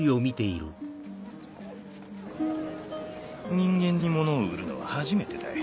人間に物を売るのは初めてだよ。